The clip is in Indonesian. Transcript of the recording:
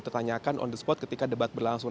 ditanyakan on the spot ketika debat berlangsung